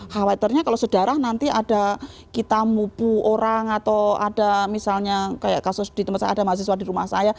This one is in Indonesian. khawatirnya kalau sedarah nanti ada kita mupu orang atau ada misalnya kayak kasus di tempat saya ada mahasiswa di rumah saya